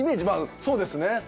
まあそうですね